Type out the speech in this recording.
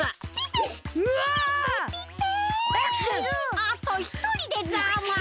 あとひとりでざます。